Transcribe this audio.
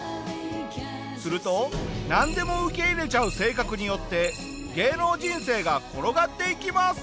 するとなんでも受け入れちゃう性格によって芸能人生が転がっていきます。